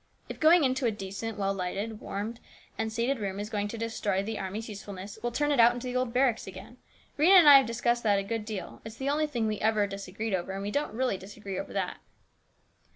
" If going into a decent, well lighted, warmed, and seated 304 HIS BROTHER'S KEEPER. room is going to destroy the army's usefulness, we'll turn it out into the old barracks again. Rhena and I have discussed that a good deal. It's the only thing we ever disagreed over, and we don't really disagree over that."